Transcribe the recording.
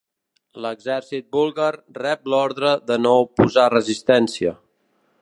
L'Exèrcit búlgar rep l'ordre de no oposar resistència.